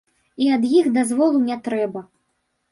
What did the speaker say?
І ад іх дазволу не трэба.